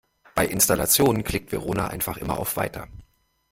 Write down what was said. Bei Installationen klickt Verona einfach immer auf "Weiter".